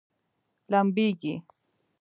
لمبیږي؟